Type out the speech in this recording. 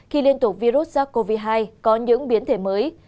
khi liên tục virus sars cov hai có những biến thể mới